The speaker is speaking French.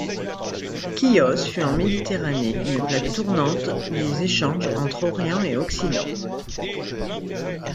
Chios fut en Méditerranée une plaque tournante des échanges entre Orient et Occident.